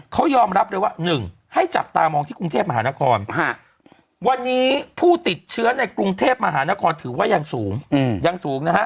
เขายอมรับเลยว่า๑ให้จับตามองที่กรุงเทพมหานครวันนี้ผู้ติดเชื้อในกรุงเทพมหานครถือว่ายังสูงยังสูงนะฮะ